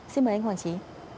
xin mời anh hoàng trí